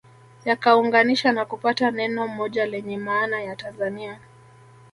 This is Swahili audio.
Yakaunganisha na kupata neno moja lenye maana ya Tanzania